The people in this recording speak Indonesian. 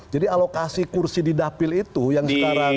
jadi alokasi kursi di dapil itu yang sekarang